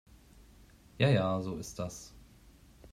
Ja ja, so ist das.